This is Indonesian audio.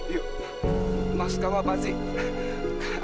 yuk maksud kamu apa sih